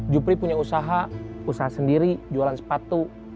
jupri punya usaha usaha sendiri jualan sepatu